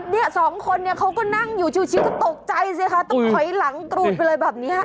เนี่ยสองคนเนี่ยเขาก็นั่งอยู่ชิวก็ตกใจสิคะต้องถอยหลังกรูดไปเลยแบบนี้